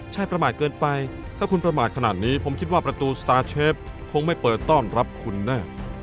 ใช่ประมาทเกินไปถ้าคุณประมาทขนาดนี้ผมคิดว่าประตูสตาร์เชฟคงไม่เปิดต้อนรับคุณแน่